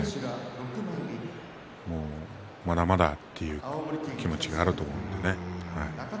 気持ちは本当にまだまだという気持ちがあると思うんでね。